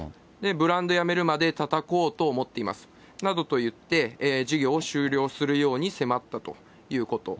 ブランドやめるまでたたこうと思っていますなどと言って、事業を終了するように迫ったということ。